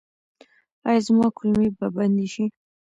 ایا زما کولمې به بندې شي؟